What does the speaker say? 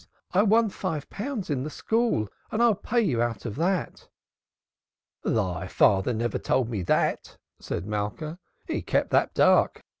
I won five pounds in the school and I'll pay you out of that." "Thy father never told me that!" said Malka. "He kept that dark.